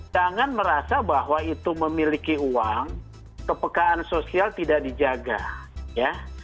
jangan merasa bahwa itu memiliki uang kepekaan sosial tidak dijaga ya